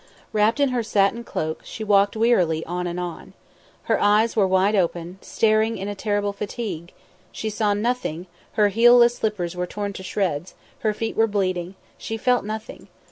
Wrapped in her satin cloak, she walked wearily on and on. Her eyes were wide open, staring in a terrible fatigue; she saw nothing; her heelless slippers were torn to shreds, her feet were bleeding; she felt nothing.